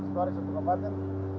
satu hari satu kabupaten